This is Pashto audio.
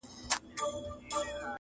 چي وهل یې ولي وخوړل بېځایه!.